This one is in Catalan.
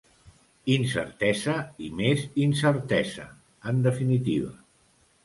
Incertesa i més incertesa, en definitiva.